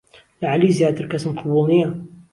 لە عەلی زیاتر کەسم قەبووڵ نییە.